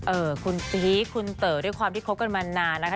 คุณพีคคุณเต๋อด้วยความที่คบกันมานานนะคะ